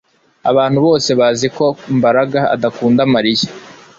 Abantu bose bazi ko Mbaraga adakunda Mariya